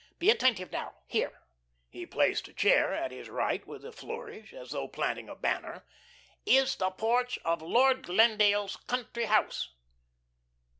"Be attentive now. Here" he placed a chair at his right with a flourish, as though planting a banner "is the porch of Lord Glendale's country house."